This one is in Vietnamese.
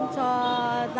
cho tất cả những người